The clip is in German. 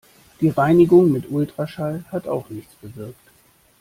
Die Reinigung mit Ultraschall hat auch nichts bewirkt.